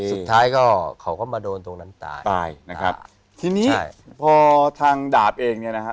สุดท้ายก็เขาก็มาโดนตรงนั้นตายตายนะครับทีนี้พอทางดาบเองเนี่ยนะฮะ